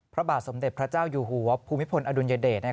พระบาทสมเด็จพระเจ้าอยู่หัวภูมิพลอดุลยเดช